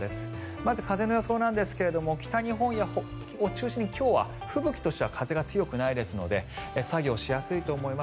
まず、風の予想なんですが北日本を中心に今日は吹雪としては風が強くないですので作業しやすいと思います。